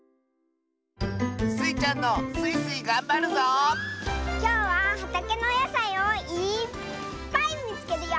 スイちゃんのきょうははたけのおやさいをいっぱいみつけるよ！